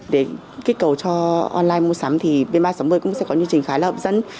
để kích cầu cho online mua sắm thì b ba nghìn sáu trăm một mươi cũng sẽ có những trình khá là hậm dẫn